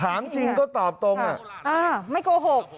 ถามจริงแล้วก็ตอบตรงน่ะอ่าไม่โกหก